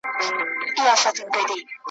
یو په نوم د خلیفه خوري خیراتونه ,